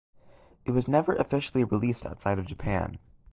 It was never officially released outside of Japan.